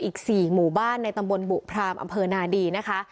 อีก๔หมู่บ้านในตำบลบุพรามอำเภอนาดีนะคะ